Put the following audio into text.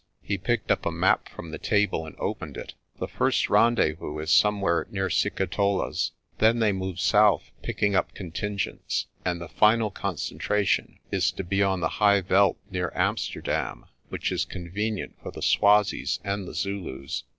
He picked up a map from the table and opened it. "The first rendezvous is somewhere near Sikitola's. Then they move south, picking up contingents j and the final concen tration is to be on the high veld near Amsterdam, which is convenient for the Swazis and the Zulus.